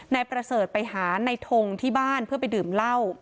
นายประเสริฐไปหานายทงที่บ้านเพื่อไปดื่มเหล้า